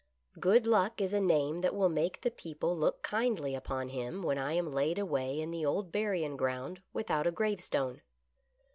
" Good Luck is a name that will make the people look kindly upon him when I am laid away in the old buryin' ground, without a grave stone."